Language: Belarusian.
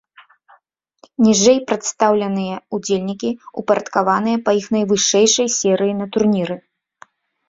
Ніжэй прадстаўленыя ўдзельнікі, упарадкаваныя па іх найвышэйшай серыі на турніры.